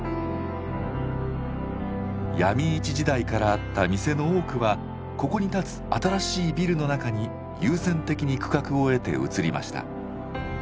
闇市時代からあった店の多くはここに建つ新しいビルの中に優先的に区画を得て移りました。